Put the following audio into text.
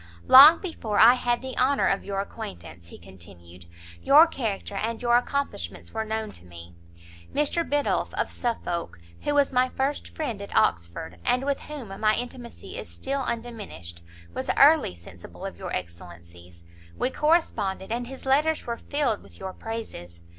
"Long before I had the honour of your acquaintance," he continued, "your character and your accomplishments were known to me; Mr Biddulph of Suffolk, who was my first friend at Oxford, and with whom my intimacy is still undiminished, was early sensible of your excellencies; we corresponded, and his letters were filled with your praises.